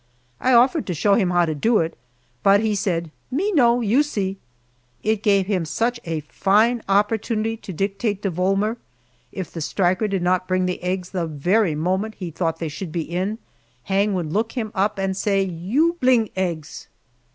I offered to show him how to do it, but he said, "Me know you see." It gave him such a fine opportunity to dictate to Volmer! If the striker did not bring the eggs the very moment he thought they should be in, Hang would look him up and say, "You bling leggs!"